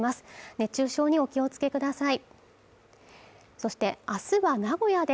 熱中症にお気をつけください